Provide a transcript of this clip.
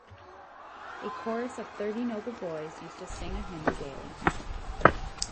A chorus of thirty noble boys used to sing a hymn daily.